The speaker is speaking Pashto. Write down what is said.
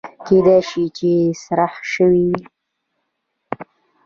کېدای شي چې خرڅ شوي وي